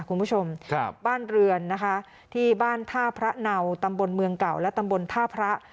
คุณผู้ชมครับบ้านเรือนนะคะที่บ้านท่าพระเนาตำบลเมืองเก่าและตำบลท่าพระ